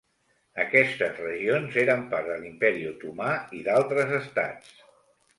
Aquestes regions eren part de l'Imperi Otomà i d'altres estats.